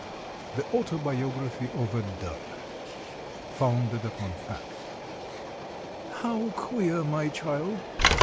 THE AUTOBIOGRAPHY OF A DUCK. FOUNDED UPON FACT. "How queer, my child!